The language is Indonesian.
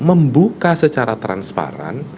membuka secara transparan